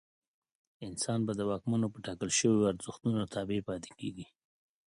انسان به د واکمنو په ټاکل شویو ارزښتونو تابع پاتې کېږي.